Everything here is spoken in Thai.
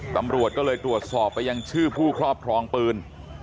ตำรวจก็เลยตรวจสอบไปยังชื่อผู้ครอบครองปืน